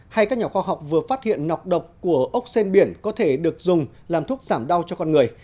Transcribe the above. hay các nhà khoa học vừa phát hiện nọc độc của ốc sen biển có thể được dùng làm thuốc giảm đau cho con người